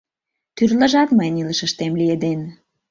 Тӱрлыжат мыйын илышыштем лиеден.